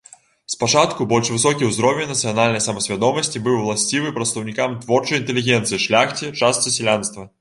Спачатку больш высокі ўзровень нацыянальнай самасвядомасці быў уласцівы прадстаўнікам творчай інтэлігенцыі, шляхце, частцы сялянства.